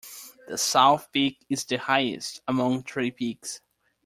The south peak is the highest among three peaks.